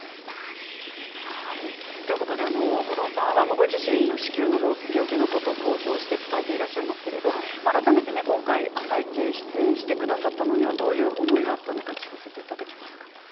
大黒さんはご自身の子宮の病気のことを公表して伝えていらっしゃいますけれど改めて今回「あさイチ」に出演してくださったのにはどういう思いがあったのか聞かせていただけますか？